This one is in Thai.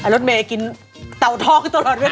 รถเมย์กินเตาทองตลอดเวลา